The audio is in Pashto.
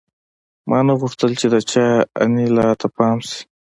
ما نه غوښتل چې د چا انیلا ته پام شي